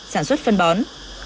sản xuất phân bón